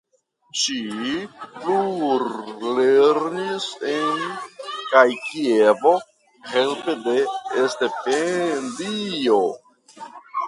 Ŝi plulernis en kaj Kievo helpe de stipendio.